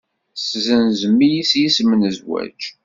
Tessenzem-iyi s yisem n zzwaǧ.